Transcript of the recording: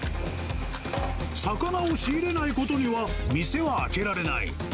魚を仕入れないことには、店は開けられない。